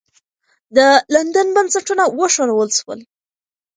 د لندن بنسټونه وښورول سول.